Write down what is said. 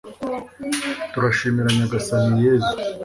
turashimira nyagasani yezu